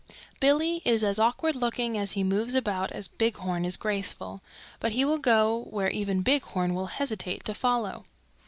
"Billy is as awkward looking as he moves about as Bighorn is graceful, but he will go where even Bighorn will hesitate to follow.